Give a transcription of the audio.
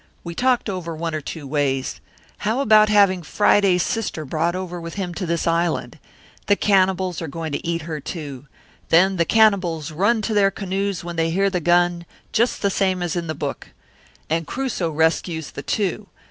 We talked over one or two ways. How about having Friday's sister brought over with him to this island? The cannibals are going to eat her, too. Then the cannibals run to their canoes when they hear the gun, just the same as in the book. And Crusoe rescues the two.